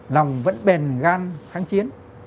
lòng vẫn bền gan kháng chiến